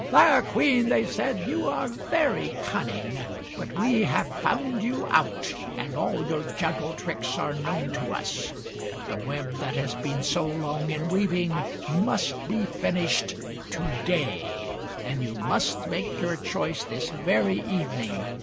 "Fair queen," they said, "you are very cun ning; but we have found you out, and all your gentle tricks are known to us. The web that has been so long in weaving must be finished to day ; and you must make your choice this very evening.